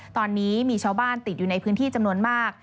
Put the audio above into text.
ตอนนี้มีชาวบ้านติดอยู่ในพื้นที่จำนวนมาก